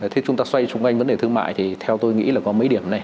thế chúng ta xoay chung quanh vấn đề thương mại thì theo tôi nghĩ là có mấy điểm này